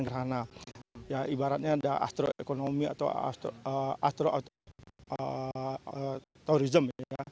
gerhana ibaratnya ada astro ekonomi atau astro tourism